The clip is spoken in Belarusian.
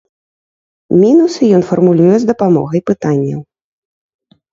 Мінусы ён фармулюе з дапамогай пытанняў.